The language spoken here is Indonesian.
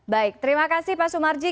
baik terima kasih pak sumarji